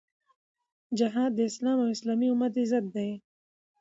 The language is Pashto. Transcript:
جهاد د اسلام او اسلامي امت عزت دی.